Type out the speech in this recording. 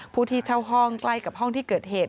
ผู้ที่เช่าห้องใกล้กับห้องที่เกิดเหตุ